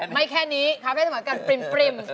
ไม่แค่นี้ค้ามเว่สมัยก่อนปริ่ม